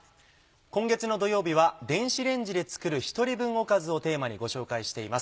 今月の土曜日は電子レンジで作る１人分おかずをテーマにご紹介しています。